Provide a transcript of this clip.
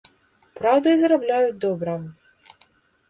Праўда, і зарабляюць добра.